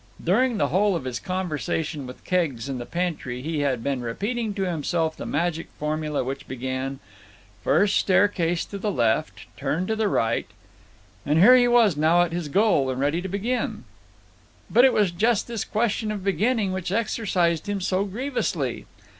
During the whole of his conversation with Keggs in the pantry he had been repeating to himself the magic formula which began: "First staircase to the left—turn to the right——" and here he was now at his goal and ready to begin. But it was just this question of beginning which exercised him so grievously.